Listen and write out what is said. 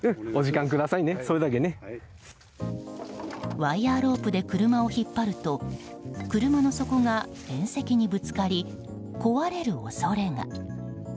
ワイヤロープで車を引っ張ると車の底が縁石にぶつかり壊れる恐れが。